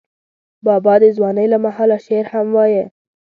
بابا د ځوانۍ له مهاله شعر هم وایه.